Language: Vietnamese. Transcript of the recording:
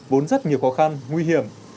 vốn rất nhiều khó khăn nguy hiểm